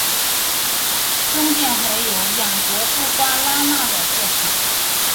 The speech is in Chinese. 中殿还有雅格布瓜拉纳的作品。